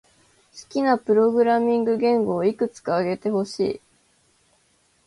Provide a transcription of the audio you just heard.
好きなプログラミング言語をいくつか挙げてほしい。